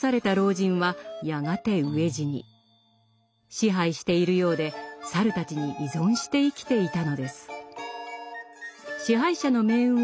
支配しているようで猿たちに依存して生きていたのです。